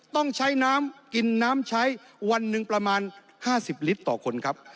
ต้องใช้น้ำกินน้ำใช้วันหนึ่งประมาณ๕๐ลิตรต่อคนครับ